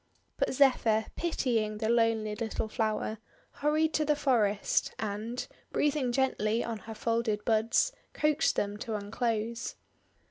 But Zephyr, pitying the lonely little flower, hurried to the forest, and, breathing gently on her folded buds, coaxed them to unclose.